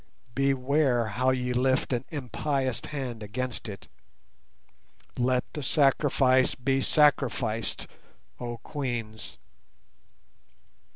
Beware how ye lift an impious hand against it! Let the sacrifice be sacrificed, oh Queens."